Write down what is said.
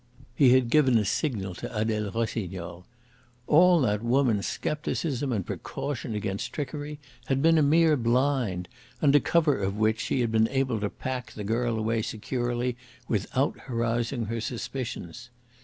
He had given a signal to Adele Rossignol. All that woman's scepticism and precaution against trickery had been a mere blind, under cover of which she had been able to pack the girl away securely without arousing her suspicions.